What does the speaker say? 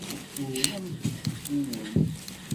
Tuwḍemt s iswi-nwent.